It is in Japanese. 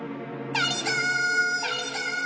がりぞー！